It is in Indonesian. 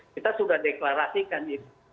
kita sudah deklarasikan itu